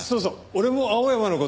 俺も青山の事